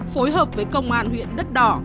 phối hợp với công an huyện đất đỏ